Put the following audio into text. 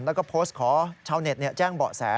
แล้วก็โพสต์ขอชาวเน็ตแจ้งเบาะแส